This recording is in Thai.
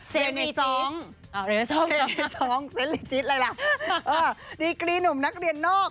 เซนลิซองอะไรล่ะดีกรี่นุ่มนักเรียนนอก